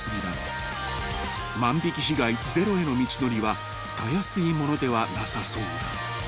［万引被害ゼロへの道のりはたやすいものではなさそうだ］